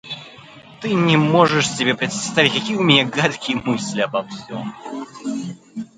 Ты не можешь себе представить, какие у меня гадкие мысли обо всем.